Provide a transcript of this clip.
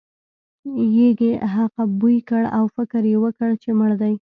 یږې هغه بوی کړ او فکر یې وکړ چې مړ دی.